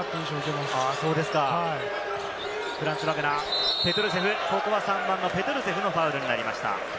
そうですか、フランツ・バグナー、ペトルセフ、ここは３番のペトルセフのファウルになりました。